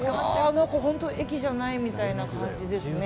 本当駅じゃないみたいな感じですね。